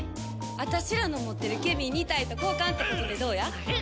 私らの持ってるケミー２体と交換ってことでどうや？